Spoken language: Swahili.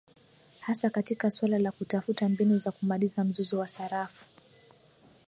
hasa katika swala la kutafuta mbinu za kumaliza mzozo wa sarafu